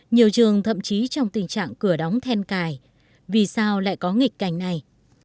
nhiều trường thậm chí trong tình trạng cửa đóng then cài vì sao lại có nghịch cảnh này